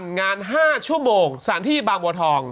งาน๕ชั่วโมงสถานที่บางบัวทอง